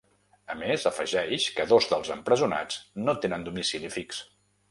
A més, afegeix que dos dels empresonats no tenen domicili fix.